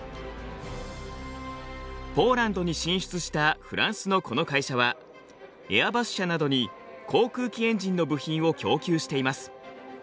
ポーランドに進出したフランスのこの会社はエアバス社などに航空機エンジンの部品を供給しています。